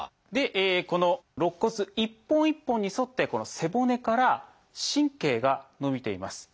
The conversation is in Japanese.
この肋骨一本一本に沿って背骨から神経が伸びています。